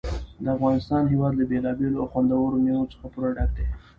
د افغانستان هېواد له بېلابېلو او خوندورو مېوو څخه پوره ډک دی.